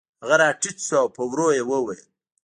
هغه راټیټ شو او په ورو یې وویل